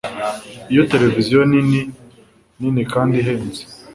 Iyo tereviziyo nini nini kandi ihenze